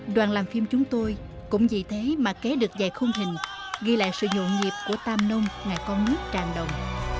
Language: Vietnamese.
đoàn làm phim chúng tôi cũng vì thế mà kế được dày không hình ghi lại sự nhộn nhịp của tam nông ngày con nước tràn đồng